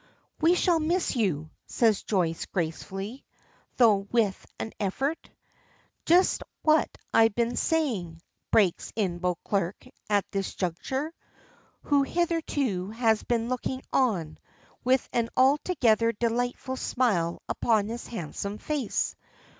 "We shall miss you," says Joyce, gracefully, though with an effort. "Just what I've been saying," breaks in Beauclerk at this juncture, who hitherto has been looking on, with an altogether delightful smile upon his handsome face.